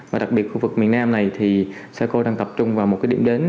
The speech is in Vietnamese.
và đặc biệt khu vực miền nam này thì saco đang tập trung vào một cái điểm đến